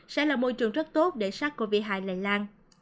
sẽ là môi trường rất tốt để sát covid một mươi chín lây lan